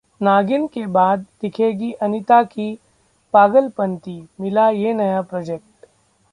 नागिन के बाद दिखेगी अनीता की 'पागलपंती', मिला ये नया प्रोजेक्ट